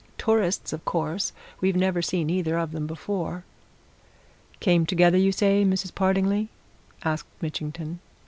Tourists, of course we've never seen either of them before." "Came together, you say, Mrs. Partingley?" asked Mitchington.